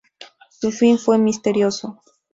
Su fin fue misterioso.